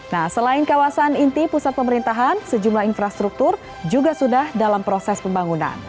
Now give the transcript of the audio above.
nah selain kawasan inti pusat pemerintahan sejumlah infrastruktur juga sudah dalam proses pembangunan